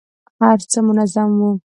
هر څه منظم وو.